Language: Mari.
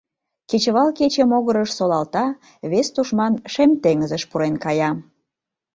Кечывал кече могырыш солалта — вес тушман Шем теҥызыш пурен кая.